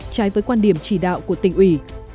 trái với quan điểm chỉ đạo của tỉnh ủy